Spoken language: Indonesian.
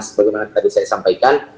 seperti yang tadi saya sampaikan